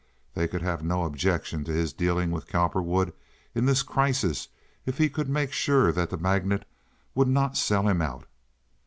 They could have no objection to his dealing with Cowperwood in this crisis if he could make sure that the magnate would not sell him out.